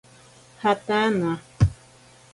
Jataana.